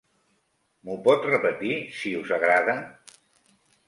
M'ho pot repetir, si us agrada?